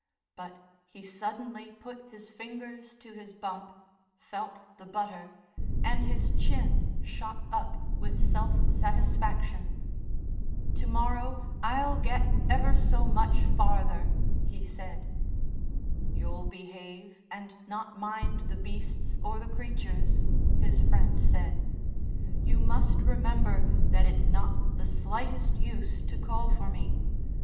But he suddenly put his fingers to his bump, felt the butter, and his chin shot up with self satisfaction. "To morrow I'll get ever so much farther," he said. "You'll behave, and not mind the beasts or the creatures?" his friend said. "You must remember that it's not the slightest use to call for me.